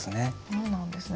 そうなんですね。